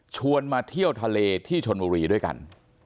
ชวนมาเที่ยวทะเลที่ชนบุรีด้วยกัน